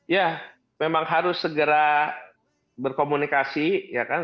ya memang harus segera berkomunikasi ya kan